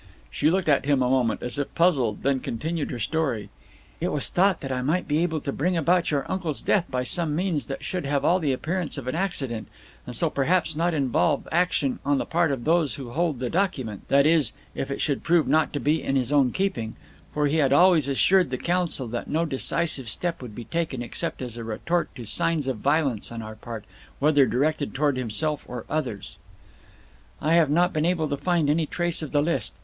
She looked at him a moment, as if puzzled, and then continued her story. "It was thought that I might be able to bring about your uncle's death by some means that should have all the appearance of an accident, and so perhaps not involve action on the part of those who hold the document that is, if it should prove not to be in his own keeping for he had always assured the council that no decisive step would be taken except as a retort to signs of violence on our part, whether directed towards himself or others. "I have not been able to find any trace of the list.